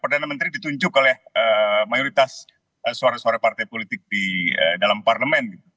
perdana menteri ditunjuk oleh mayoritas suara suara partai politik di dalam parlemen